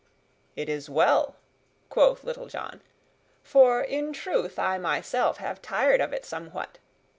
"It is well," quoth Little John, "for in truth I myself have tired of it somewhat.